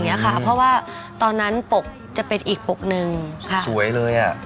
ก็คือซื้อบ้านหลังใหม่ให้แม่ได้เลย